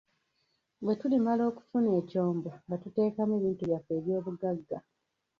Bwe tulimala okufuna ekyombo nga tuteekamu ebintu byaffe eby'obugagga.